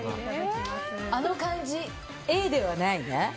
あの感じ、Ａではないな。